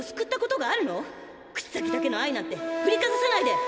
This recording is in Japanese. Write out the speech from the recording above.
口先だけの愛なんてふりかざさないで！